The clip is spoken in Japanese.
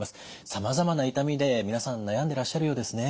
さまざまな痛みで皆さん悩んでらっしゃるようですね。